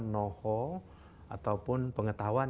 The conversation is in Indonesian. know how ataupun pengetahuan